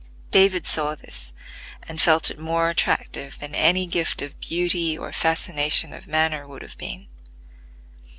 David saw this, and felt it more attractive than any gift of beauty or fascination of manner would have been.